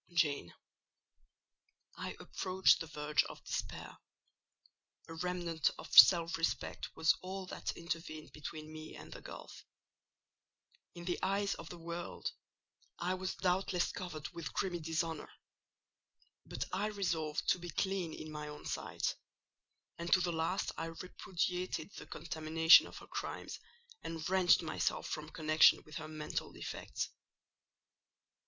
"Jane, I approached the verge of despair; a remnant of self respect was all that intervened between me and the gulf. In the eyes of the world, I was doubtless covered with grimy dishonour; but I resolved to be clean in my own sight—and to the last I repudiated the contamination of her crimes, and wrenched myself from connection with her mental defects.